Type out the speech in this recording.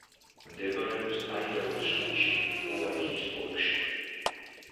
მდებარეობს აიდაჰოს შტატში, ოვაიჰის ოლქში.